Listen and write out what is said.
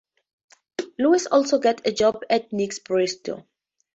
Lewis also gets a job at Nick's Bistro.